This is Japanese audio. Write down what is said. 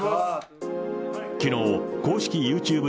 きのう、公式ＹｏｕＴｕｂｅ